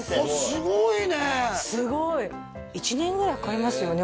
すごいねすごい１年ぐらいかかりますよね？